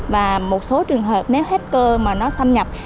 và một số trường hợp nếu hết cơ mà nó xâm nhập